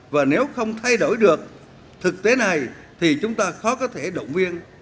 và nếu không thay đổi được thực tế này thì chúng ta khó có thể động viên